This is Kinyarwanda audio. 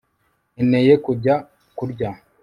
Nkeneye kujya kurya